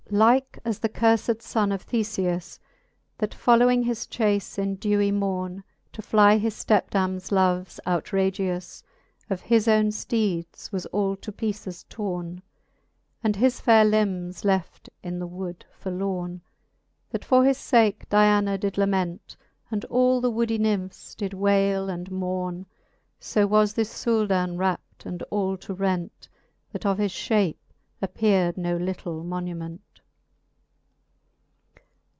Like as the curfed fonne of Thefeusy That following his chace in dewy morne, To fly his ftepdames loves outrageous, Of his owne fteedes was all to peeces torne, And his faire limbs left in the woods forlorne ; That for his iake Diana did lament, And all the wooddy nymphes did wayle and mourne : So was this Souldan rapt and all to rent, That of his fhape appear'd no litle moniment.